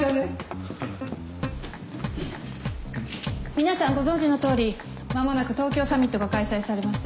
皆さんご存じのとおり間もなく東京サミットが開催されます。